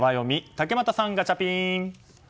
竹俣さん、ガチャピン！